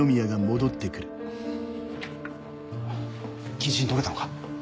謹慎解けたのか？